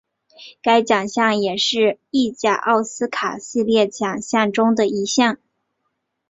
该奖项也是意甲奥斯卡系列奖项中的一项。